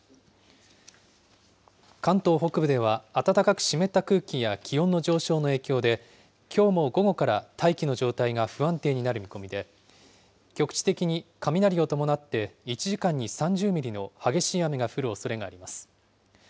関東北部では暖かく湿った空気や気温の上昇の影響で、きょうも午後から大気の状態が不安定になる見込みで、局地的に雷を伴って１時間に３０ミリの激しい雨が降るおそれがあります。